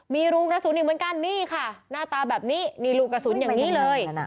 มีรูกระสุนอีกเหมือนกันนี่ค่ะหน้าตาแบบนี้นี่ลูกกระสุนอย่างนี้เลย